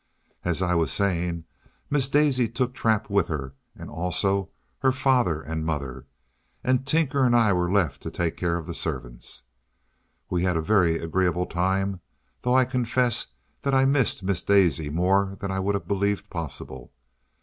As I was saying, Miss Daisy took Trap with her, and also her father and mother; and Tinker and I were left to take care of the servants. We had a very agreeable time, though I confess that I missed Miss Daisy more than I would have believed possible.